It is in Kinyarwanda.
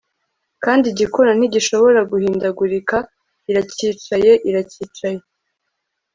kandi igikona, ntigishobora guhindagurika, iracyicaye, iracyicaye